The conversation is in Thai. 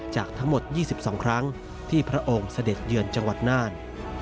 จากทั้งหมด๒๒ครั้งที่พระองค์เสด็จเยือนจังหวัดน่าน